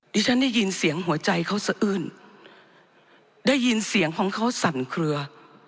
ฉันได้ยินเสียงหัวใจเขาสะอื้นได้ยินเสียงของเขาสั่นเคลือ